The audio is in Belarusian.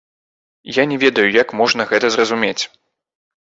Я не ведаю, як можна гэта зразумець.